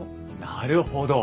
なるほど。